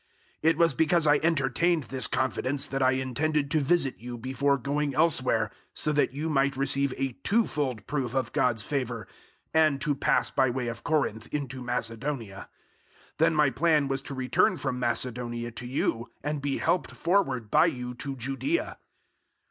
001:015 It was because I entertained this confidence that I intended to visit you before going elsewhere so that you might receive a twofold proof of God's favour 001:016 and to pass by way of Corinth into Macedonia. Then my plan was to return from Macedonia to you, and be helped forward by you to Judaea.